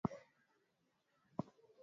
alieanza muhula wake wa miaka mitano